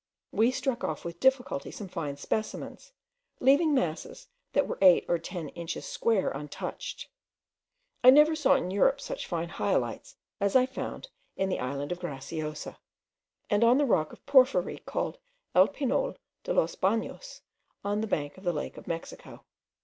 We struck off with difficulty some fine specimens, leaving masses that were eight or ten inches square untouched. I never saw in Europe such fine hyalites as I found in the island of Graciosa, and on the rock of porphyry called el Penol de los Banos, on the bank of the lake of Mexico.